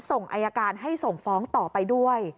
ส่งอายการให้ส่งฟ้องต่อไปด้วย